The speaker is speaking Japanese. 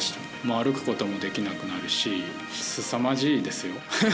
歩くこともできなくなるしすさまじいですよ。